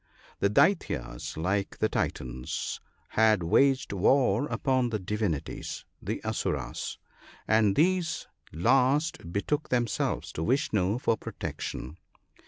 The Daityas, like the Titans, had waged war upon the divinities (the Asuras), and these last betook themselves to Vishnoo for protection.